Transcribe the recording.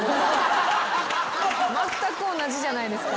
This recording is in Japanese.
まったく同じじゃないですか。